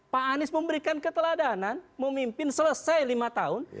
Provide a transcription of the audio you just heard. pak anies memberikan keteladanan memimpin selesai lima tahun